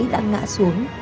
đã ngã xuống